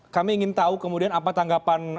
kami ingin tahu kemudian apa tanggapan